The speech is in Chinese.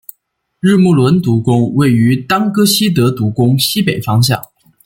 日木伦独宫位于当圪希德独宫西北方向。